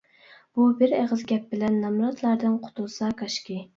بۇ بىر ئېغىز گەپ بىلەن نامراتلاردىن قۇتۇلسا كاشكى!